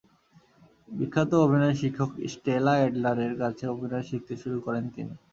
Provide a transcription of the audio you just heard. বিখ্যাত অভিনয় শিক্ষক স্টেলা অ্যাডলারের কাছে অভিনয় শিখতে শুরু করেন তিনি।